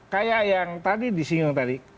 kayak yang tadi di singeng tadi